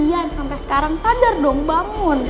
iya sampai sekarang sadar dong bangun